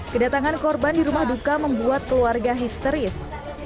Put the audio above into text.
kedatangan korban di rumah duka membuat keluarga histeris